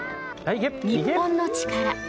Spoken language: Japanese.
『日本のチカラ』